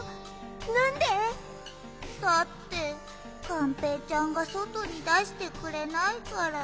なんで？だってがんぺーちゃんがそとにだしてくれないから。